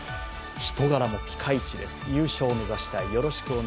人柄もピカイチです。